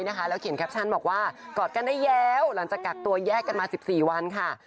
แล้วเขียนแคปชั่นบอกว่ากอดกันได้แล้วหลังจากกักตัวแยกกันมา๑๔วันค่ะ